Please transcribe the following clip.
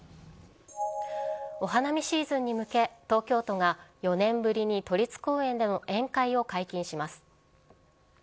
お花見シーズンに向け、東京都が４年ぶりに都立公園での宴会を解禁します。